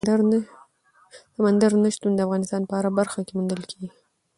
سمندر نه شتون د افغانستان په هره برخه کې موندل کېږي.